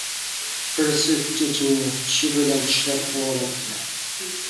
بىرسى چېچىمنى چىشى بىلەن چىشلەپ تۇرۇۋالاتتى.